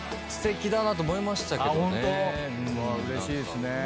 すてきだなと思いましたけどね。